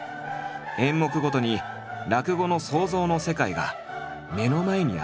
演目ごとに落語の想像の世界が目の前に現れる。